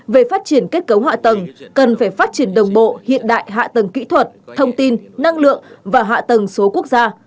về phát triển kết cấu hạ tầng cần phải phát triển đồng bộ hiện đại hạ tầng kỹ thuật thông tin năng lượng và hạ tầng số quốc gia